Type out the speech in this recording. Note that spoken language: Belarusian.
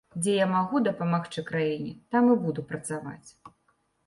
Дзе я магу дапамагчы краіне, там і буду працаваць.